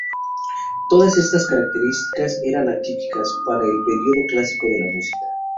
Todas estas características eran atípicas para el periodo Clásico de la música.